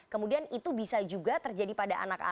kemudian itu bisa juga terjadi pada anak anak